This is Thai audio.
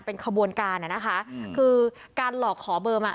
เป็นขบวนการอ่ะนะคะคือการหลอกขอเบอร์มา